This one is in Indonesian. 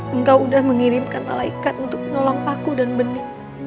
engkau udah mengirimkan malaikat untuk menolong paku dan beni